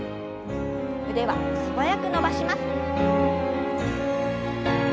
腕は素早く伸ばします。